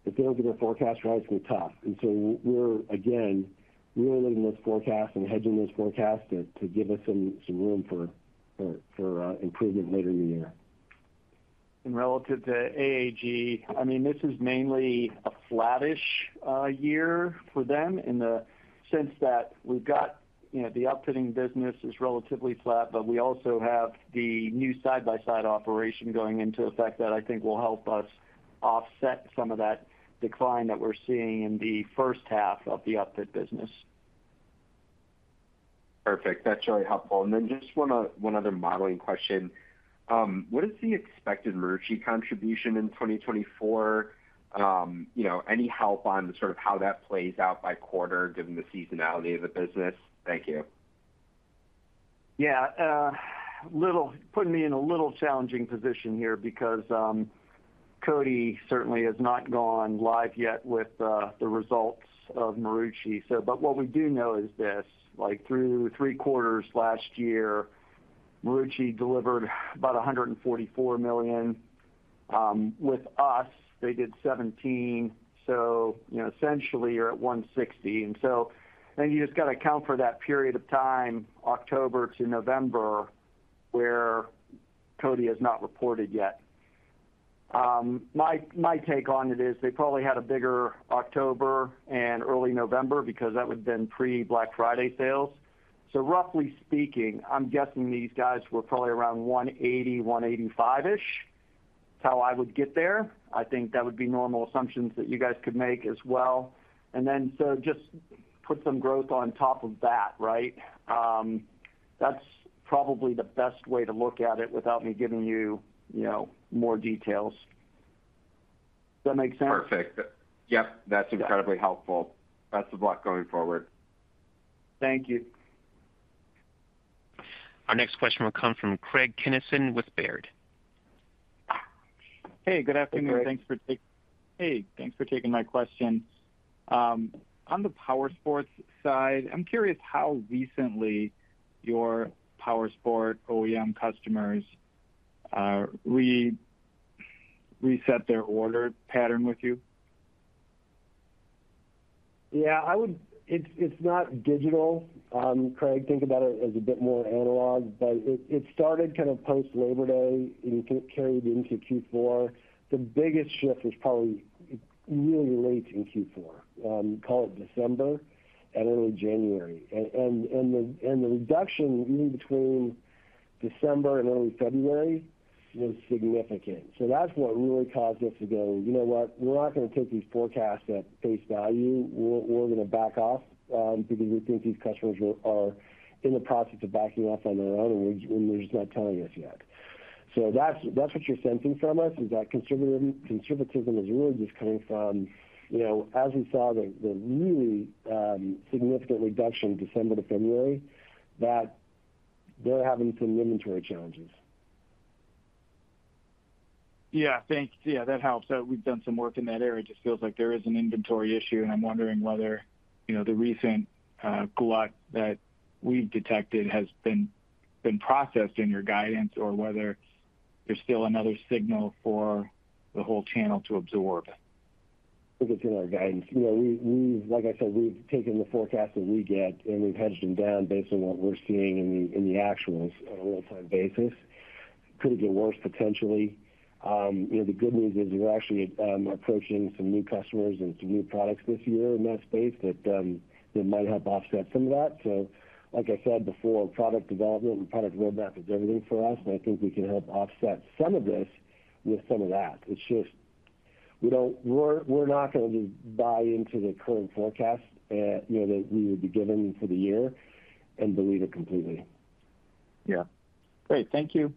if they don't get their forecasts right, it's going to be tough. And so again, we're really looking at those forecasts and hedging those forecasts to give us some room for improvement later in the year. Relative to AAG, I mean, this is mainly a flattish year for them in the sense that we've got the upfitting business is relatively flat, but we also have the new side-by-side operation going into effect that I think will help us offset some of that decline that we're seeing in the first half of the upfit business. Perfect. That's really helpful. Just one other modeling question. What is the expected Marucci contribution in 2024? Any help on sort of how that plays out by quarter given the seasonality of the business? Thank you. Yeah. Putting me in a little challenging position here because Kurt certainly has not gone live yet with the results of Marucci. But what we do know is this. Through Q3 last year, Marucci delivered about $144 million. With us, they did $17 million. So essentially, you're at $160 million. And so then you just got to account for that period of time, October to November, where Kurt has not reported yet. My take on it is they probably had a bigger October and early November because that would have been pre-Black Friday sales. So roughly speaking, I'm guessing these guys were probably around $180 million-$185 million-each. That's how I would get there. I think that would be normal assumptions that you guys could make as well. And then so just put some growth on top of that, right? That's probably the best way to look at it without me giving you more details. Does that make sense? Perfect. Yep. That's incredibly helpful. Best of luck going forward. Thank you. Our next question will come from Craig Kennison with Baird. Hey, good afternoon. Thanks for taking my question. On the Power-Sports side, I'm curious how recently your Power-Sport OEM customers reset their order pattern with you? Yeah. It's not digital, Craig. Think about it as a bit more analog. But it started kind of post-Labor Day and carried into Q4. The biggest shift was probably really late in Q4. Call it December and early January. And the reduction even between December and early February was significant. So that's what really caused us to go, "You know what? We're not going to take these forecasts at face value. We're going to back off because we think these customers are in the process of backing off on their own, and we're just not telling us yet." So that's what you're sensing from us, is that conservatism is really just coming from as we saw the really significant reduction December to February, that they're having some inventory challenges. Yeah. Yeah. That helps. We've done some work in that area. It just feels like there is an inventory issue. I'm wondering whether the recent glut that we've detected has been processed in your guidance or whether there's still another signal for the whole channel to absorb? I think it's in our guidance. Like I said, we've taken the forecasts that we get, and we've hedged them down based on what we're seeing in the actuals on a real-time basis. Could it get worse, potentially? The good news is we're actually approaching some new customers and some new products this year in that space that might help offset some of that. So like I said before, product development and product roadmap is everything for us, and I think we can help offset some of this with some of that. It's just we're not going to just buy into the current forecasts that we would be given for the year and believe it completely. Yeah. Great. Thank you.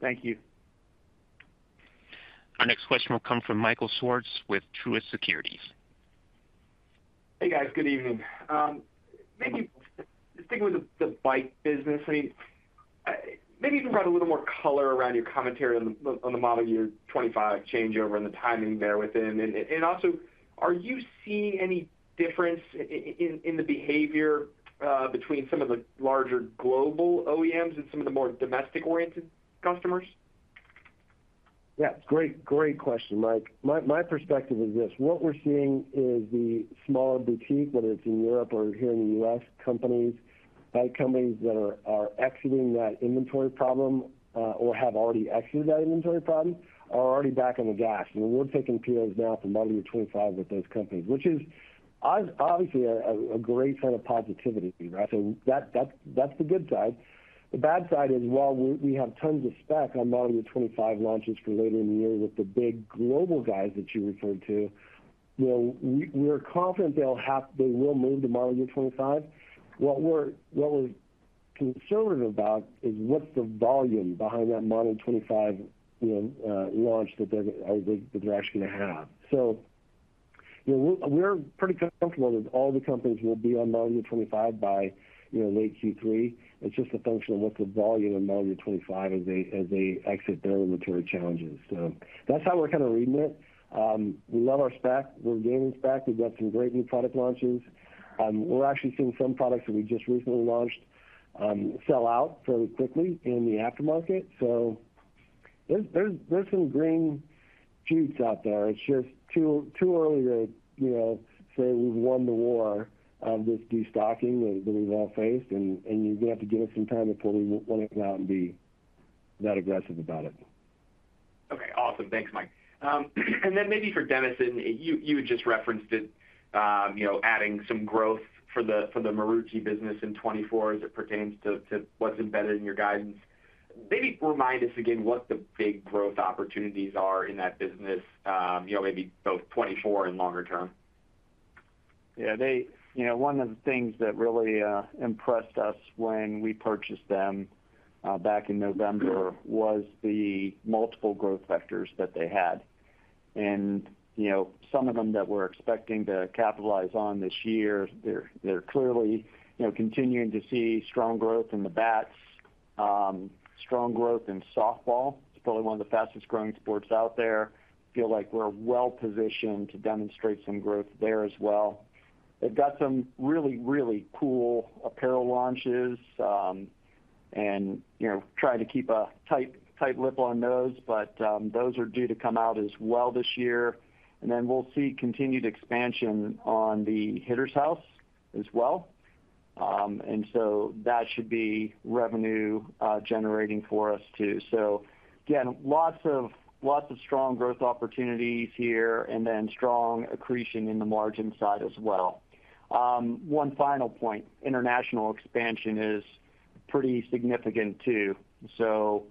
Thank you. Our next question will come from Michael Swartz with Truist Securities. Hey, guys. Good evening. Maybe sticking with the bike business, I mean, maybe you can provide a little more color around your commentary on the Model Year 25 changeover and the timing there within. And also, are you seeing any difference in the behavior between some of the larger global OEMs and some of the more domestic-oriented customers? Yeah. Great question, Mike. My perspective is this. What we're seeing is the smaller boutique, whether it's in Europe or here in the U.S., companies, bike companies that are exiting that inventory problem or have already exited that inventory problem are already back on the gas. And we're taking POs now for model year 25 with those companies, which is obviously a great sign of positivity, right? So that's the good side. The bad side is while we have tons of spec on model year 25 launches for later in the year with the big global guys that you referred to, we're confident they will move to model year 25. What we're conservative about is what's the volume behind that model year 25 launch that they're actually going to have. So we're pretty comfortable that all the companies will be on model year 25 by late Q3. It's just a function of what's the volume in Model Year 25 as they exit their inventory challenges. So that's how we're kind of reading it. We love our spec. We're gaining spec. We've got some great new product launches. We're actually seeing some products that we just recently launched sell out fairly quickly in the aftermarket. So there's some green shoots out there. It's just too early to say we've won the war of this destocking that we've all faced, and you're going to have to give it some time before we want to go out and be that aggressive about it. Okay. Awesome. Thanks, Mike. And then maybe for Dennison, you had just referenced it adding some growth for the Marucci business in 2024 as it pertains to what's embedded in your guidance. Maybe remind us again what the big growth opportunities are in that business, maybe both 2024 and longer term? Yeah. One of the things that really impressed us when we purchased them back in November was the multiple growth vectors that they had. Some of them that we're expecting to capitalize on this year, they're clearly continuing to see strong growth in the bats, strong growth in softball. It's probably one of the fastest-growing sports out there. Feel like we're well-positioned to demonstrate some growth there as well. They've got some really, really cool apparel launches and tried to keep a tight lip on those, but those are due to come out as well this year. Then we'll see continued expansion on the Hitter's House as well. So that should be revenue-generating for us too. So again, lots of strong growth opportunities here and then strong accretion in the margin side as well. One final point, international expansion is pretty significant too. So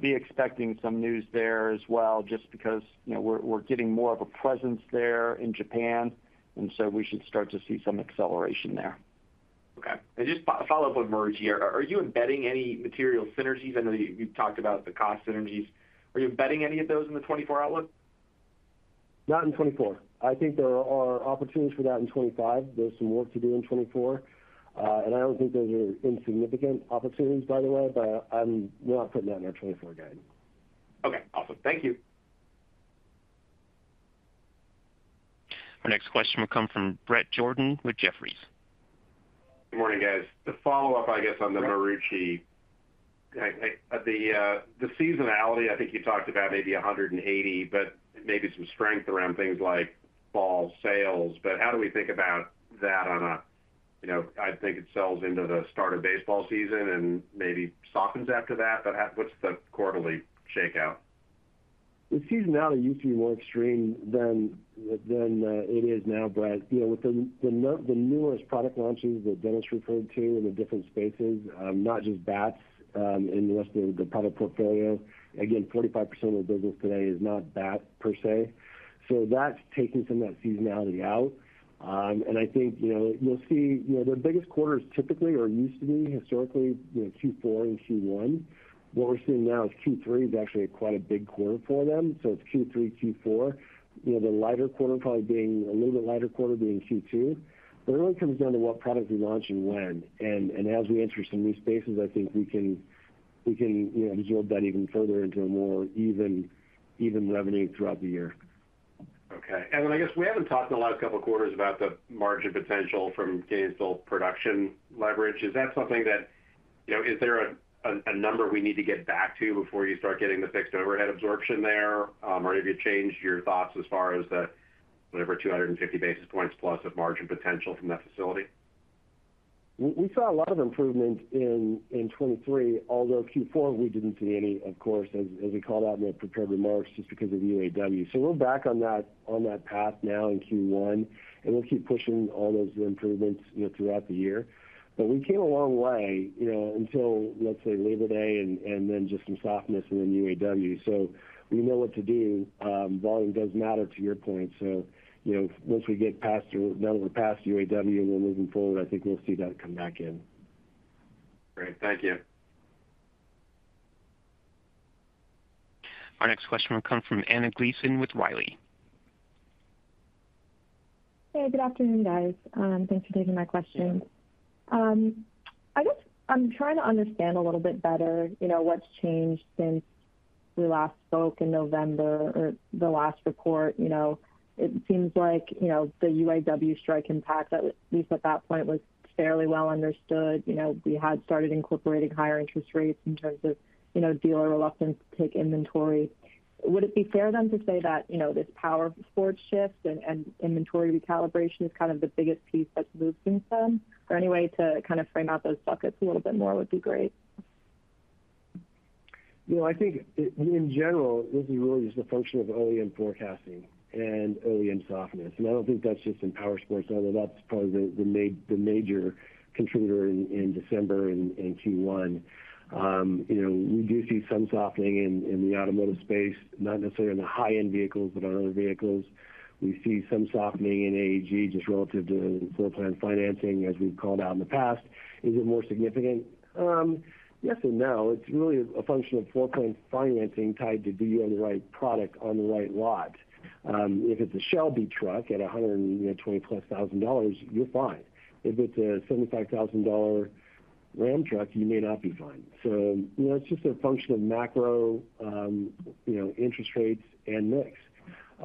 be expecting some news there as well just because we're getting more of a presence there in Japan, and so we should start to see some acceleration there. Okay. And just a follow-up on Marucci. Are you embedding any material synergies? I know you've talked about the cost synergies. Are you embedding any of those in the 2024 outlook? Not in 2024. I think there are opportunities for that in 2025. There's some work to do in 2024. And I don't think those are insignificant opportunities, by the way, but we're not putting that in our 2024 guide. Okay. Awesome. Thank you. Our next question will come from Brett Jordan with Jefferies. Good morning, guys. The follow-up, I guess, on the Marucci, the seasonality, I think you talked about maybe 180 but maybe some strength around things like fall sales. But how do we think about that on a I think it sells into the start of baseball season and maybe softens after that, but what's the quarterly shakeout? The seasonality used to be more extreme than it is now, Brett, with the numerous product launches that Dennis referred to in the different spaces, not just bats in the rest of the product portfolio. Again, 45% of the business today is not bat per se. So that's taking some of that seasonality out. And I think you'll see their biggest quarters typically or used to be historically Q4 and Q1. What we're seeing now is Q3 is actually quite a big quarter for them. So it's Q3, Q4. The lighter quarter probably being Q2. But it really comes down to what products we launch and when. And as we enter some new spaces, I think we can absorb that even further into a more even revenue throughout the year. Okay. Then I guess we haven't talked in the last couple of quarters about the margin potential from gaining still production leverage. Is that something that is there a number we need to get back to before you start getting the fixed overhead absorption there? Or have you changed your thoughts as far as the whatever, 250 basis points plus of margin potential from that facility? We saw a lot of improvement in 2023, although Q4, we didn't see any, of course, as we called out in our prepared remarks just because of UAW. So we're back on that path now in Q1, and we'll keep pushing all those improvements throughout the year. But we came a long way until, let's say, Labor Day and then just some softness and then UAW. So we know what to do. Volume does matter to your point. So once we get past now that we're past UAW and we're moving forward, I think we'll see that come back in. Great. Thank you. Our next question will come from Anna Glaessgen with Riley. Hey. Good afternoon, guys. Thanks for taking my question. I guess I'm trying to understand a little bit better what's changed since we last spoke in November or the last report. It seems like the UAW strike impact, at least at that point, was fairly well understood. We had started incorporating higher interest rates in terms of dealer reluctance to take inventory. Would it be fair then to say that this powersports shift and inventory recalibration is kind of the biggest piece that's moved since then? Or any way to kind of frame out those buckets a little bit more would be great. I think, in general, this is really just a function of OEM forecasting and OEM softness. And I don't think that's just in PowerSports, although that's probably the major contributor in December and Q1. We do see some softening in the automotive space, not necessarily in the high-end vehicles but on other vehicles. We see some softening in AAG just relative to floor plan financing, as we've called out in the past. Is it more significant? Yes and no. It's really a function of floor plan financing tied to do you have the right product on the right lot. If it's a Shelby truck at $120,000 plus, you're fine. If it's a $75,000 Ram truck, you may not be fine. So it's just a function of macro interest rates and mix.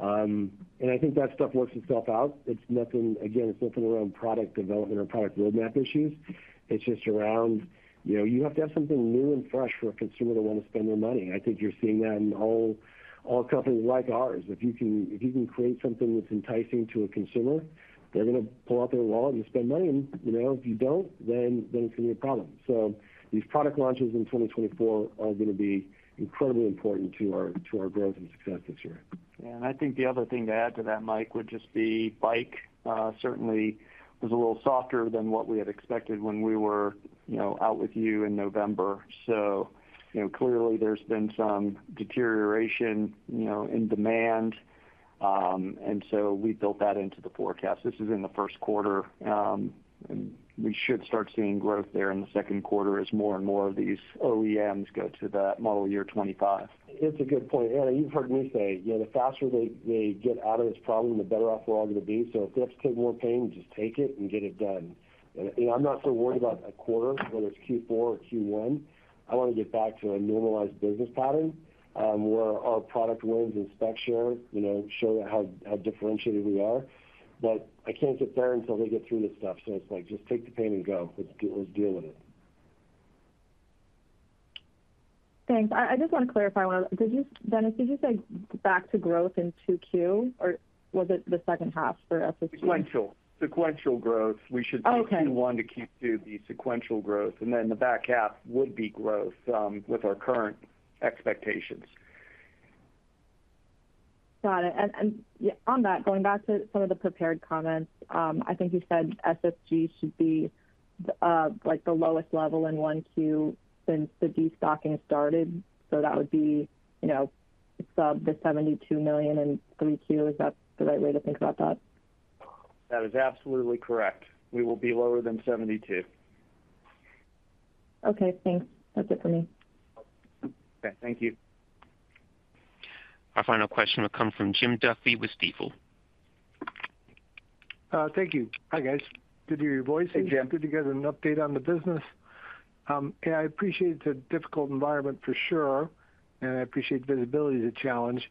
And I think that stuff works itself out. Again, it's nothing around product development or product roadmap issues. It's just around. You have to have something new and fresh for a consumer to want to spend their money. I think you're seeing that in all companies like ours. If you can create something that's enticing to a consumer, they're going to pull out their wallet and spend money. And if you don't, then it's going to be a problem. So these product launches in 2024 are going to be incredibly important to our growth and success this year. Yeah. And I think the other thing to add to that, Mike, would just be bike certainly was a little softer than what we had expected when we were out with you in November. So clearly, there's been some deterioration in demand, and so we built that into the forecast. This is in the Q1, and we should start seeing growth there in the Q2 as more and more of these OEMs go to that Model Year 25. It's a good point. Anna, you've heard me say the faster they get out of this problem, the better off we're all going to be. So if they have to take more pain, just take it and get it done. And I'm not so worried about a quarter, whether it's Q4 or Q1. I want to get back to a normalized business pattern where our product wins and spec share show how differentiated we are. But I can't get there until they get through this stuff. So it's like, "Just take the pain and go. Let's deal with it. Thanks. I just want to clarify one thing, Dennis. Did you say back to growth in Q2, or was it the second half for SSG? Sequential growth. We should say Q1 to Q2, the sequential growth. And then the back half would be growth with our current expectations. Got it. And on that, going back to some of the prepared comments, I think you said SSG should be the lowest level in Q1 since the destocking started. So that would be sub the $72 million in Q3. Is that the right way to think about that? That is absolutely correct. We will be lower than 72. Okay. Thanks. That's it for me. Okay. Thank you. Our final question will come from Jim Duffy with Stifel. Thank you. Hi, guys. Good to hear your voices. Good to get an update on the business. Yeah, I appreciate it's a difficult environment for sure, and I appreciate visibility is a challenge.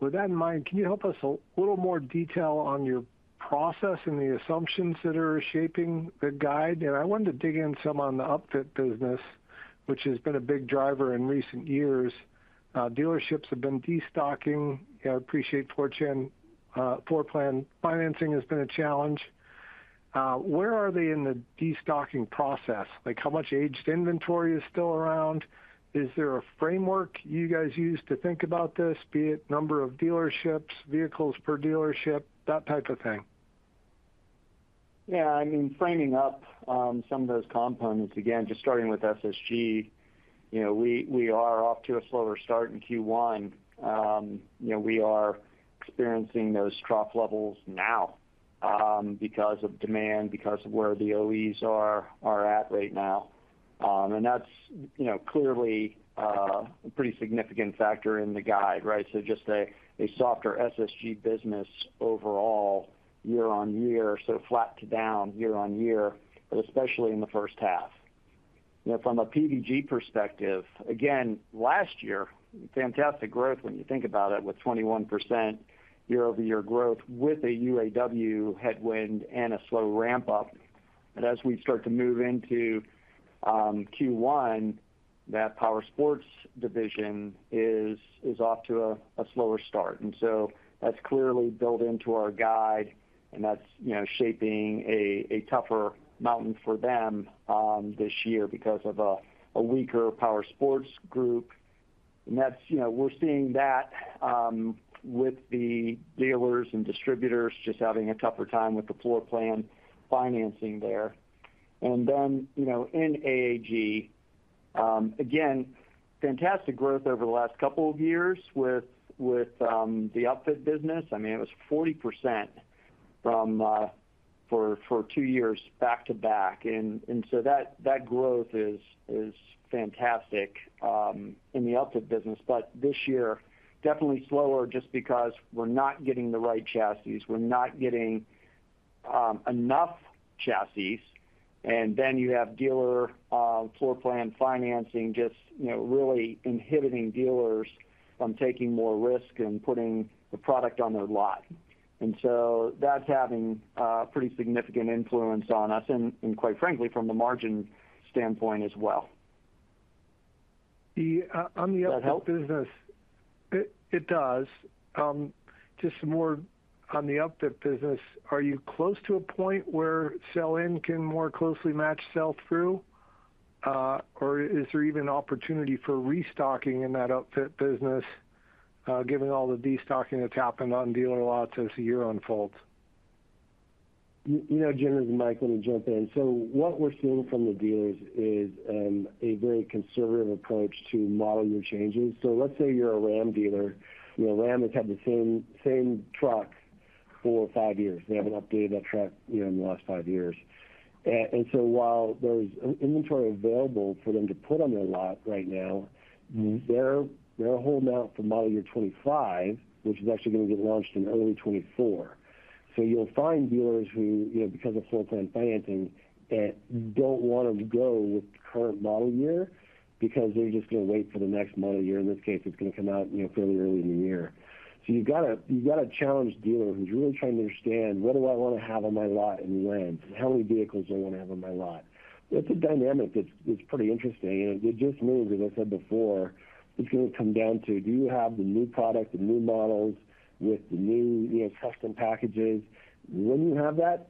With that in mind, can you help us a little more detail on your process and the assumptions that are shaping the guide? And I wanted to dig in some on the upfit business, which has been a big driver in recent years. Dealerships have been destocking. I appreciate Floor Plan Financing has been a challenge. Where are they in the destocking process? How much aged inventory is still around? Is there a framework you guys use to think about this, be it number of dealerships, vehicles per dealership, that type of thing? Yeah. I mean, framing up some of those components. Again, just starting with SSG, we are off to a slower start in Q1. We are experiencing those trough levels now because of demand, because of where the OEs are at right now. And that's clearly a pretty significant factor in the guide, right? So just a softer SSG business overall year-over-year, so flat to down year-over-year, but especially in the first half. From a PVG perspective, again, last year, fantastic growth when you think about it with 21% year-over-year growth with a UAW headwind and a slow ramp-up. But as we start to move into Q1, that Power-Sports division is off to a slower start. And so that's clearly built into our guide, and that's shaping a tougher mountain for them this year because of a weaker Power-Sports group. And we're seeing that with the dealers and distributors just having a tougher time with the floor plan financing there. And then in AAG, again, fantastic growth over the last couple of years with the upfit business. I mean, it was 40% for two years back to back. And so that growth is fantastic in the upfit business. But this year, definitely slower just because we're not getting the right chassis. We're not getting enough chassis. And then you have dealer floor plan financing just really inhibiting dealers from taking more risk and putting the product on their lot. And so that's having a pretty significant influence on us and, quite frankly, from the margin standpoint as well. On the upfit business, it does. Just more on the upfit business, are you close to a point where sell-in can more closely match sell-through? Or is there even opportunity for restocking in that upfit business, given all the destocking that's happened on dealer lots as the year unfolds? You know Jim and Mike want to jump in. So what we're seeing from the dealers is a very conservative approach to model year changes. So let's say you're a Ram dealer. Ram has had the same truck four or five years. They haven't updated that truck in the last five years. And so while there's inventory available for them to put on their lot right now, they're holding out for model year 2025, which is actually going to get launched in early 2024. So you'll find dealers who, because of floor plan financing, don't want to go with the current model year because they're just going to wait for the next model year. In this case, it's going to come out fairly early in the year. So you've got to challenge dealer who's really trying to understand, "What do I want to have on my lot and when? How many vehicles do I want to have on my lot?" That's a dynamic that's pretty interesting. It just means, as I said before, it's going to come down to, "Do you have the new product, the new models with the new custom packages?" When you have that,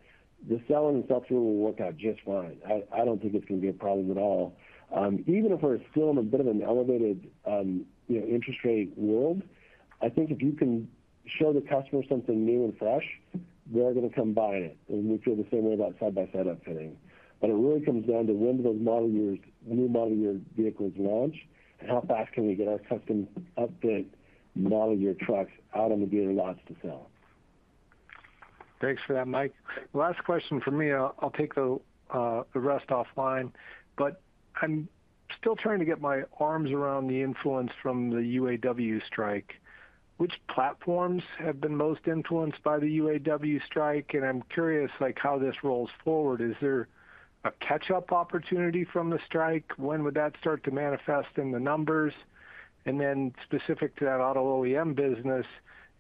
the sell-in and sell-through will work out just fine. I don't think it's going to be a problem at all. Even if we're still in a bit of an elevated interest rate world, I think if you can show the customer something new and fresh, they're going to come buying it. And we feel the same way about side-by-side upfitting. But it really comes down to when do those new model year vehicles launch and how fast can we get our custom upfit model year trucks out on the dealer lots to sell. Thanks for that, Mike. Last question for me. I'll take the rest offline. But I'm still trying to get my arms around the influence from the UAW strike. Which platforms have been most influenced by the UAW strike? And I'm curious how this rolls forward. Is there a catch-up opportunity from the strike? When would that start to manifest in the numbers? And then specific to that auto OEM business,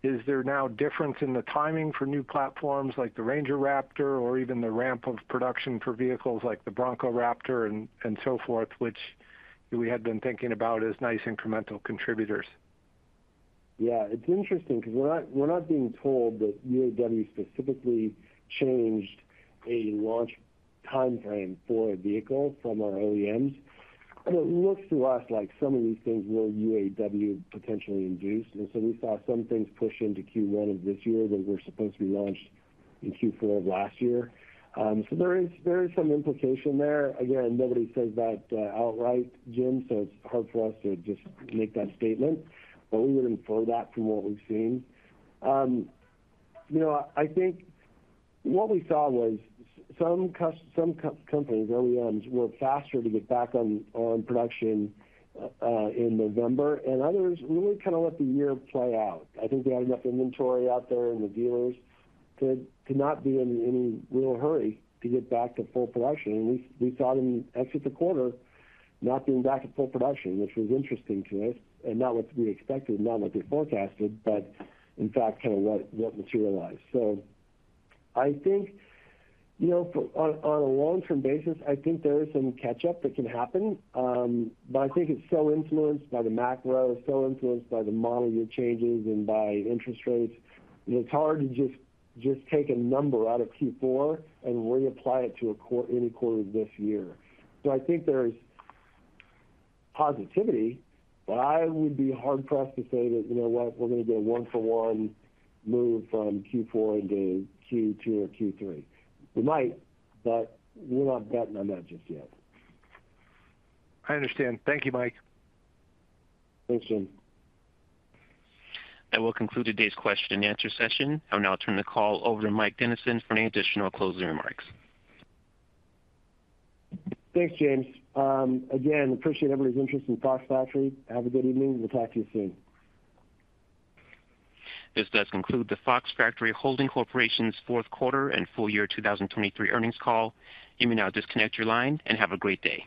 is there now a difference in the timing for new platforms like the Ranger Raptor or even the ramp of production for vehicles like the Bronco Raptor and so forth, which we had been thinking about as nice incremental contributors? Yeah. It's interesting because we're not being told that UAW specifically changed a launch timeframe for a vehicle from our OEMs. It looks to us like some of these things were UAW potentially induced. We saw some things push into Q1 of this year that were supposed to be launched in Q4 of last year. There is some implication there. Again, nobody says that outright, Jim, so it's hard for us to just make that statement. We would infer that from what we've seen. I think what we saw was some companies, OEMs, were faster to get back on production in November and others really kind of let the year play out. I think they had enough inventory out there and the dealers could not be in any real hurry to get back to full production. We saw them exit the quarter not being back to full production, which was interesting to us and not what we expected, not what they forecasted, but in fact, kind of what materialized. So I think on a long-term basis, I think there is some catch-up that can happen. But I think it's so influenced by the macro, so influenced by the model year changes and by interest rates, it's hard to just take a number out of Q4 and reapply it to any quarter of this year. So I think there's positivity, but I would be hard-pressed to say that, "You know what? We're going to get a one-for-one move from Q4 into Q2 or Q3." We might, but we're not betting on that just yet. I understand. Thank you, Mike. Thanks, Jim. That will conclude today's question and answer session. And now I'll turn the call over to Mike Dennison for any additional closing remarks. Thanks, James. Again, appreciate everybody's interest in Fox Factory. Have a good evening. We'll talk to you soon. This does conclude the Fox Factory Holding Corporation's Q4 and full year 2023 earnings call. You may now disconnect your line and have a great day.